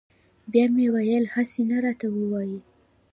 بیا مې ویل هسې نه راته ووایي.